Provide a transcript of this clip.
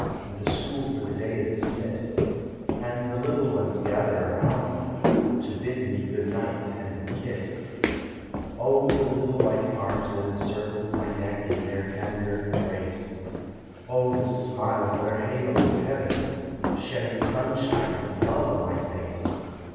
And the school for the day is dismissed, And the little ones gather around me, To bid me good night and be kissed; <) the little white arms that encircle My neck in their tender embrace! 0 the smiles that are halos of heaven, Shedding sunshine of love on my face!